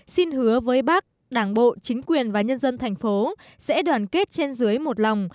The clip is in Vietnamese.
xin hứa với bắc đảng bộ chính quyền và nhân dân tp hcm sẽ đoàn kết trên dưới một lòng